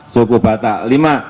suku batak lima